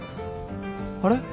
あれ？